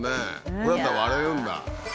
これだったら割れるんだ？